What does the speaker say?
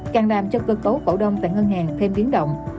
càng làm cho cơ cấu cổ đông tại ngân hàng thêm biến động